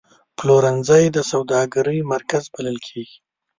پلورنځی د سوداګرۍ مرکز بلل کېږي.